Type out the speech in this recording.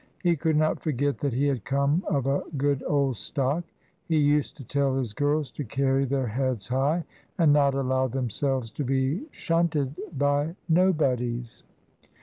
He could not forget that he had come of a good old stock; he used to tell his girls to carry their heads high, and not allow themselves to be shunted by nobodies.